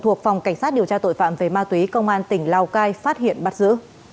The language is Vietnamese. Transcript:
thuộc phòng cảnh sát điều tra tội phạm về ma túy công an tỉnh lào cai phát hiện bắt giữ